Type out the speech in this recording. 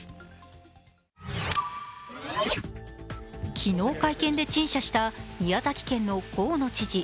昨日、会見で陳謝した宮崎県の河野知事。